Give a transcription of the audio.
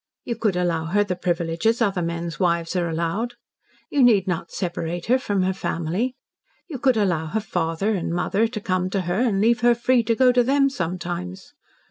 You could allow her the privileges other men's wives are allowed. You need not separate her from her family. You could allow her father and mother to come to her and leave her free to go to them sometimes.